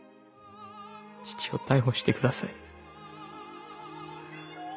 父を逮捕してください。